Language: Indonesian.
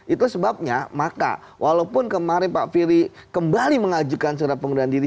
itu sebabnya maka walaupun kemarin pak firly kembali mengajukan surat pengunduran diri